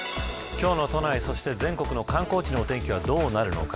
今日の都内、そして全国の観光地のお天気はどうなるのか。